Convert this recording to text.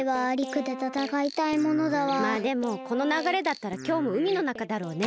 まあでもこのながれだったらきょうもうみのなかだろうね。